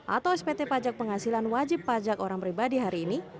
atau spt pajak penghasilan wajib pajak orang pribadi hari ini